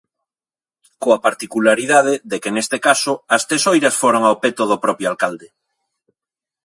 Coa particularidade de que neste caso as tesoiras foron ao peto do propio alcalde.